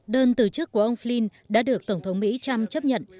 đơn từ chức của ông flin đã được tổng thống mỹ trump chấp nhận